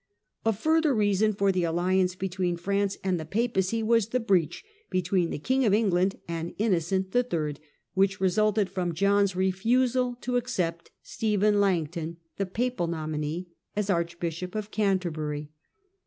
A further reason for the alliance between France and the Papacy was the breach between the King of England and Innocent III. which resulted from John's refusal to accept Stephen Langton, the papal nominee, as Archbishop of Canterbury.